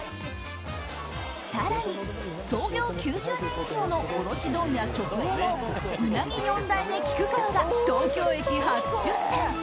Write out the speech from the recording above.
更に、創業９０年以上の卸問屋直営のうなぎ四代目菊川が東京駅初出店。